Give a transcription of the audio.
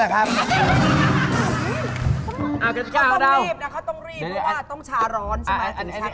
เขาต้องชาร้อนใช่ไหม